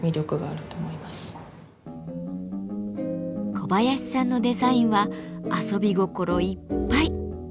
小林さんのデザインは遊び心いっぱい。